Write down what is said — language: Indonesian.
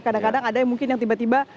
kadang kadang ada yang mungkin yang tiba tiba